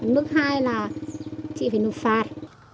mức hai là chị phải nộp phạt